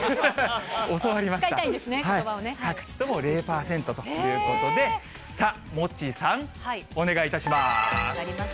使いたいんですね、ことばを各地とも０％ということで、さあ、モッチーさん、お願いいたします。